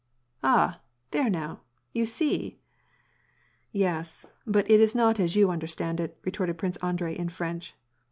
" Ah, there now, you see !"" Yes, but it is not as you understand it," retorted Prince Andrei in French.